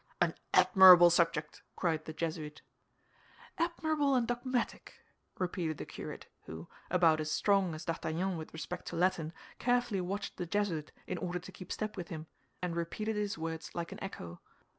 '" "An admirable subject!" cried the Jesuit. "Admirable and dogmatic!" repeated the curate, who, about as strong as D'Artagnan with respect to Latin, carefully watched the Jesuit in order to keep step with him, and repeated his words like an echo.